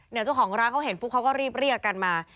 เจ้าของร้านเขาเห็นปุ๊บเขาก็รีบเรียกกันมา